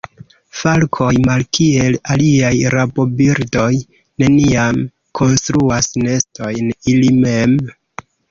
Falkoj malkiel aliaj rabobirdoj neniam konstruas nestojn ili mem.